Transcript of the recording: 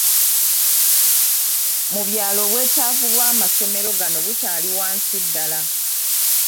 Mu byalo obwetaavu bw’amasomero gano bukyali wansi ddala.